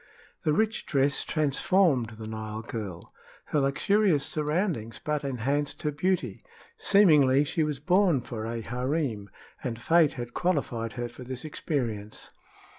The rich dress transformed the Nile girl. Her luxurious surroundings but enhanced her beauty. Seemingly she was born for a harem, and fate had qualified her for this experience.